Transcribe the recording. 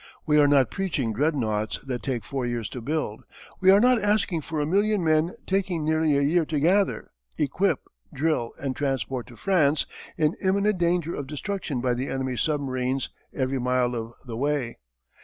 We are not preaching dreadnoughts that take four years to build. We are not asking for a million men taking nearly a year to gather, equip, drill, and transport to France, in imminent danger of destruction by the enemy's submarines every mile of the way.